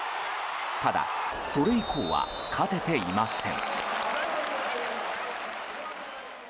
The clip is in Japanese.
ただ、それ以降は勝てていません。